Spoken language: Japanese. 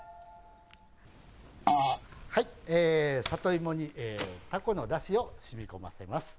里芋にたこのだしをしみこませます。